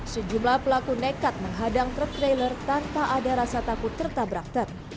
sejumlah pelaku nekat menghadang truk trailer tanpa ada rasa takut tertabrak truk